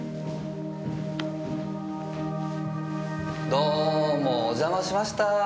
どーもお邪魔しました！